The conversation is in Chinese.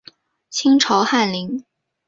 清朝翰林。